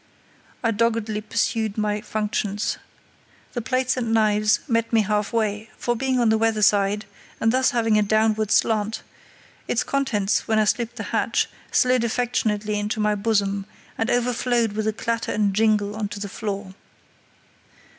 I doggedly pursued my functions. The plates and knives met me half way, for, being on the weather side, and thus having a downward slant, its contents, when I slipped the latch, slid affectionately into my bosom, and overflowed with a clatter and jingle on to the floor.